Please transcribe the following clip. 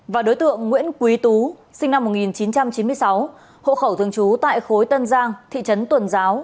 và đối tượng nguyễn quý tú sinh năm một nghìn chín trăm chín mươi sáu hộ khẩu thường trú tại khối tân giang thị trấn tuần giáo